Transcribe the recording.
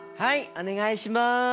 お願いします！